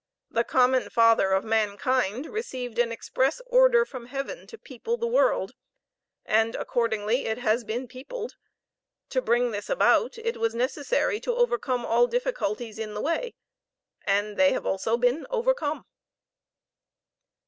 The common father of mankind received an express order from Heaven to people the world, and accordingly it has been peopled. To bring this about it was necessary to overcome all difficulties in the way, and they have also been overcome!"